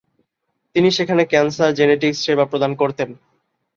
তিনি সেখানে cancer genetics সেবা প্রদান করতেন।